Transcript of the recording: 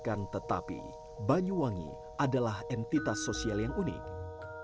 akan tetapi banyuwangi adalah entitas wajib untuk menjaga kepentingan kita